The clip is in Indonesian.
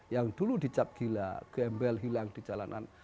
yang dulu dicap gila gembel hilang di jalanan